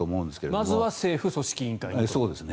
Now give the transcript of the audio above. まずは政府組織委員会と。